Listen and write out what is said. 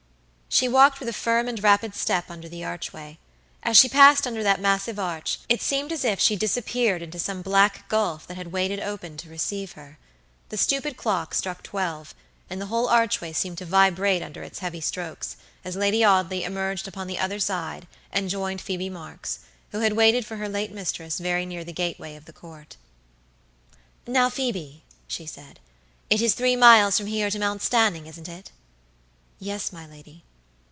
She walked with a firm and rapid step under the archway. As she passed under that massive arch, it seemed as if she disappeared into some black gulf that had waited open to receive her. The stupid clock struck twelve, and the whole archway seemed to vibrate under its heavy strokes, as Lady Audley emerged upon the other side and joined Phoebe Marks, who had waited for her late mistress very near the gateway of the Court. "Now, Phoebe," she said, "it is three miles from here to Mount Stanning, isn't it?" "Yes, my lady."